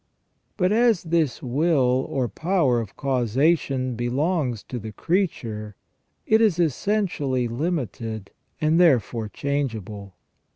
But as this will, or power of causation, belongs to the creature, it is essentially limited, and therefore changeable.